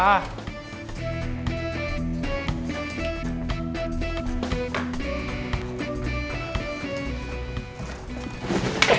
mereka serik banget